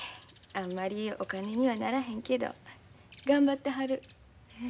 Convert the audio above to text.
あんまりお金にはならへんけど頑張ってはる。